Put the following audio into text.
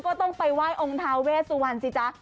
ก็ต้องไปไหว้องค์ทาเวสวรรณสิจ๊ะ